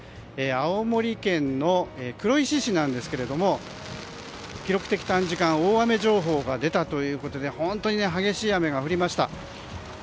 青森県の黒石市なんですが記録的短時間大雨情報が出たということで本当に激しい雨が降りました。